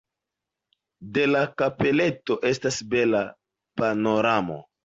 De la kapeleto estas bela panoramo.